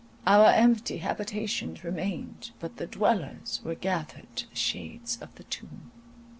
Our empty habitations remained, but the dwellers were gathered to the shades of the tomb.